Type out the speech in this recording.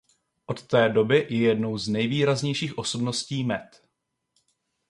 Od té doby je jednou z nejvýraznějších osobností Met.